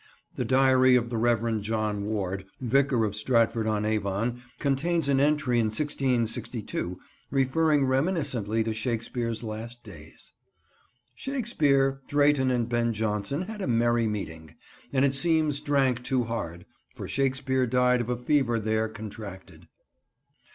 The diary of the Rev. John Ward, vicar of Stratford on Avon, contains an entry in 1662, referring reminiscently to Shakespeare's last days— "Shakespeare, Drayton and Ben Jonson had a merrie meeting, and it seems, drank too hard, for Shakespeare died of a feavour there contracted."